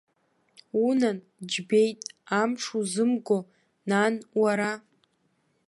Унан, џьбеит, амш узымго, нан, уара!